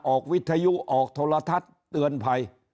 ออกวิทยุออกโทรธัตรเตือนภัย